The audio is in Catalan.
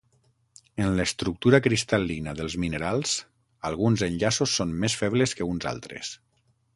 En l'estructura cristal·lina dels minerals alguns enllaços són més febles que uns altres.